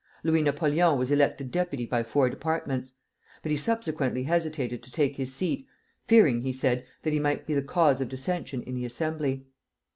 Louis Napoleon was elected deputy by four departments; but he subsequently hesitated to take his seat, fearing, he said, that he might be the cause of dissension in the Assembly.